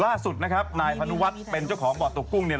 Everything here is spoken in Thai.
ล่าสุดนะครับนายพนุวัฒน์เป็นเจ้าของบ่อตกกุ้งเนี่ย